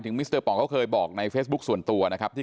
มิสเตอร์ปองเขาเคยบอกในเฟซบุ๊คส่วนตัวนะครับที่